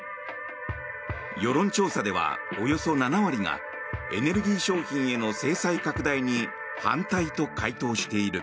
世論調査ではおよそ７割がエネルギー商品への制裁拡大に反対と回答している。